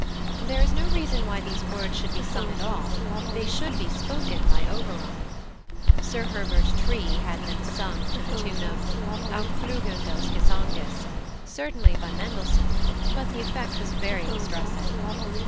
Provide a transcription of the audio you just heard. There is no reason why these words should be sung at all: they should be spoken by Oberon. Sir Herbert Tree had them sung to the tune of "Auf Flügeln des Gesanges" certainly by Mendelssohn, but the effect was very distressing.